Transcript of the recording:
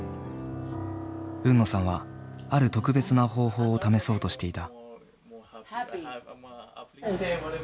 海野さんはある特別な方法を試そうとしていた。